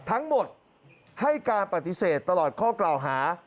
ทั้งหมดให้การปฏิเสธตลอดข้อกล่าวหา